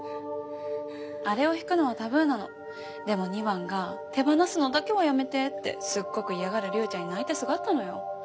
あれを弾くのはタブーなのでも２番が「手放すのだけはやめて」ってすっごく嫌がる龍ちゃんに泣いてすがったのよ